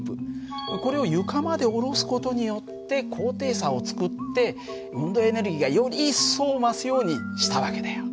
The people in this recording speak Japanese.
これを床まで下ろす事によって高低差を作って運動がより一層増すようにした訳だよ。